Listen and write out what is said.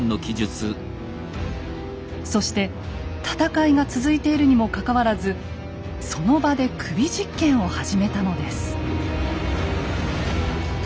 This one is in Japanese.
そして戦いが続いているにもかかわらずその場で首実検を始めたのです。